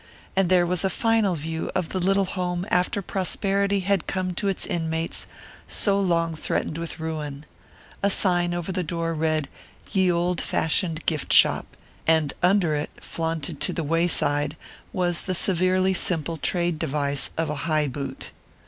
And there was a final view of the little home after prosperity had come to its inmates so long threatened with ruin. A sign over the door read "Ye Olde Fashioned Gifte Shoppe," and under it, flaunted to the wayside, was the severely simple trade device of a high boot.